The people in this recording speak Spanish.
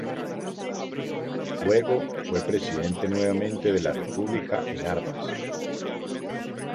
Luego, fue presidente nuevamente de la República en Armas.